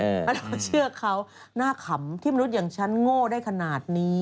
แล้วเราก็เชื่อเขาหน้าขำที่มนุษย์อย่างฉันโง่ได้ขนาดนี้